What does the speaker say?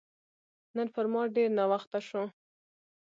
نن پر ما ډېر ناوخته شو